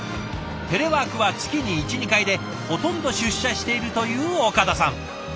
テレワークは月に１２回でほとんど出社しているという岡田さん。